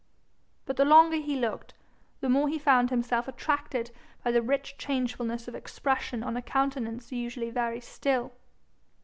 But the longer he looked, the more he found himself attracted by the rich changefulness of expression on a countenance usually very still.